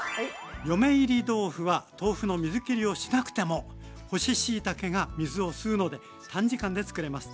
「嫁いり豆腐」は豆腐の水切りをしなくても干ししいたけが水を吸うので短時間で作れます。